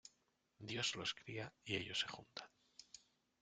Dios los cría y ellos se juntan.